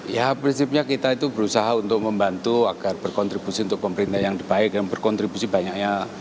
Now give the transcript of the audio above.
ya prinsipnya kita itu berusaha untuk membantu agar berkontribusi untuk pemerintah yang baik dan berkontribusi banyaknya